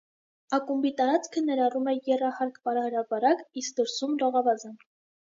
Ակումբի տարածքը ներառում է եռահարկ պարահրապարակ, իսկ դրսում՝ լողավազան։